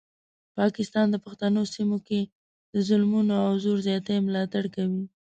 پاکستان د پښتنو سیمه کې د ظلمونو او زور زیاتي ملاتړ کوي.